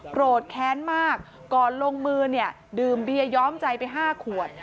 โกรธแค้นมากก่อนลงมือเนี่ยดื่มเบียย้อมใจไป๕ขวด